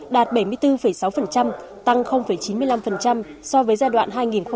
đạt bảy mươi bốn sáu tăng chín mươi năm so với giai đoạn hai nghìn năm hai nghìn một mươi